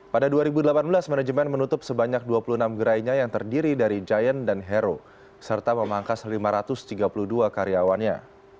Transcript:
pada dua ribu delapan belas manajemen menutup sebanyak dua puluh enam gerainya yang terdiri dari giant dan hero serta memangkas lima ratus tiga puluh dua karyawannya